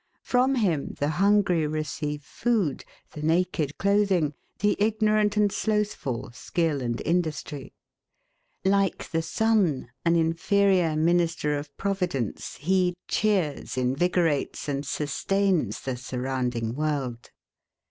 From him the hungry receive food, the naked clothing, the ignorant and slothful skill and industry. Like the sun, an inferior minister of providence he cheers, invigorates, and sustains the surrounding world.